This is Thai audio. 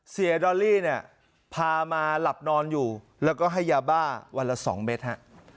ดอลลี่เนี่ยพามาหลับนอนอยู่แล้วก็ให้ยาบ้าวันละ๒เมตรฮะ